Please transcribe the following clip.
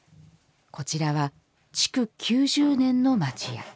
こちらは、築９０年の町家。